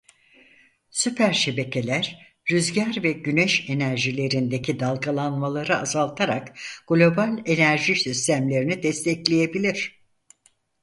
Süper şebekeler rüzgar ve güneş enerjilerindeki dalgalanmaları azaltarak global enerji sistemlerini destekleyebilir.